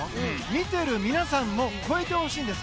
見ている皆さんも超えてほしいんです。